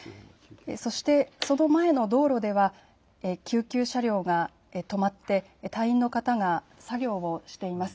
そしてその前の道路では救急車両が止まって隊員の方が作業をしています。